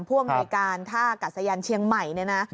ภูมิหน่วยการท่ากัดสะยานเชียงใหม่นะนะ